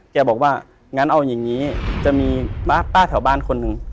แกบอกว่างั้นเอาอย่างนี้จะมีป้าแถวบ้านคนหนึ่ง